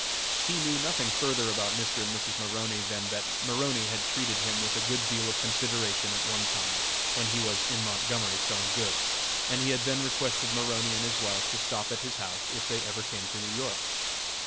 He knew nothing further about Mr. or Mrs. Maroney than that Maroney had treated him with a good deal of consideration at one time when he was in Montgomery selling goods, and he had then requested Maroney and his wife to stop at his house if they ever came to New York.